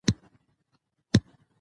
د پښتو ادب پنځه ستوري لري.